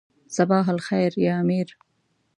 صباح الخیر یا امیر.